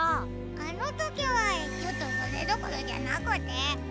あのときはちょっとそれどころじゃなくて。